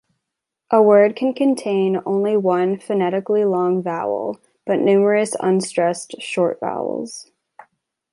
A word can contain only one phonetically long vowel, but numerous unstressed short vowels.